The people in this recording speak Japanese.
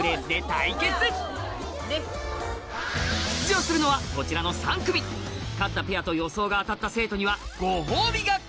出場するのはこちらの３組勝ったペアと予想が当たった生徒にはご褒美が！